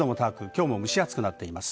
今日も蒸し暑くなっています。